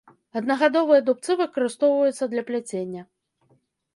Аднагадовыя дубцы выкарыстоўваецца для пляцення.